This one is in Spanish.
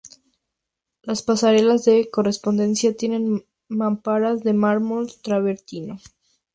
Las pasarelas de correspondencia tienen mamparas de mármol travertino.